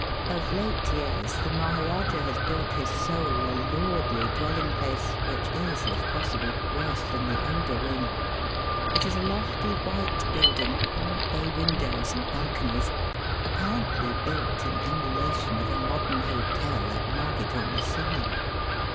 Of late years the Maharajah has built his soul a lordly dwelling place, which is, if possible, worse than the older wing. It is a lofty white building,, all bay windows and balconies, apparently built in emulation of a modem hotel at Margate on the Sea.